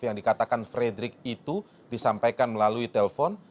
yang dikatakan frederick itu disampaikan melalui telpon